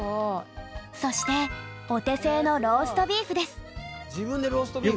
そしてお手製の自分でローストビーフ。